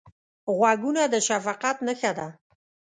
غوږونه د شفقت نښه ده